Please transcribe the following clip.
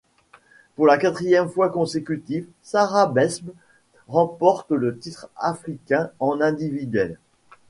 Pour la quatrième fois consécutif, Sarra Besbes remporte le titre africain en individuel.